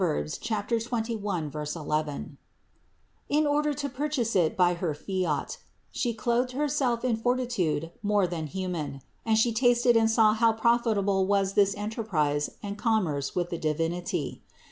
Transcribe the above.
21, 11) in order to purchase it by her fiat; She clothed Herself in fortitude more than human, and She tasted and saw how profitable was this enterprise and commerce with the Divinity.